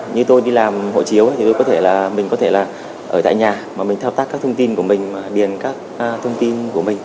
như tôi đi làm hộ chiếu thì mình có thể là ở tại nhà mà mình thao tác các thông tin của mình điền các thông tin của mình